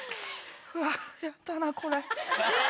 うわ嫌だなぁこれ。